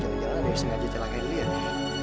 jangan jangan ada yang sengaja celakain lia nih